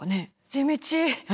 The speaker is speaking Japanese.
地道！